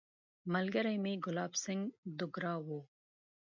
ملګری مې ګلاب سینګهه دوګرا وو.